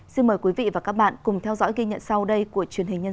xin mời quý vị và các bạn cùng theo dõi ghi nhận sau đây của truyền hình nhân dân